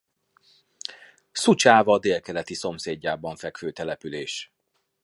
Szucsáva délkeleti szomszédjában fekvő település.